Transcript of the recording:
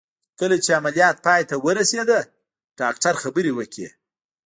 کله چې عمليات پای ته ورسېد ډاکتر خبرې وکړې.